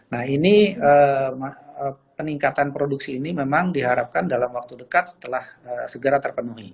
nah ini peningkatan produksi ini memang diharapkan dalam waktu dekat setelah segera terpenuhi